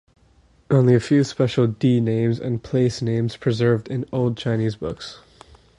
Only a few special Di names and place names preserved in old Chinese books.